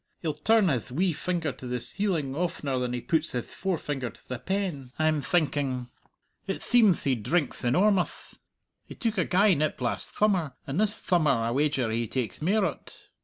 He'll turn hith wee finger to the ceiling oftener than he puts hith forefinger to the pen, I'm thinking. It theemth he drinkth enormuth! He took a gey nip last thummer, and this thummer I wager he takes mair o't.